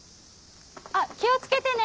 あっ気を付けてね！